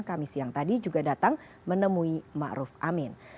kami siang tadi juga datang menemui maruf amin